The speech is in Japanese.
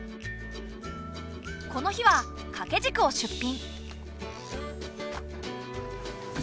この日はかけじくを出品。